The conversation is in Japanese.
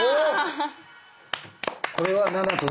これは７と７。